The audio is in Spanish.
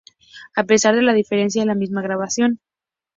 A pesar de la diferencia, es la misma grabación.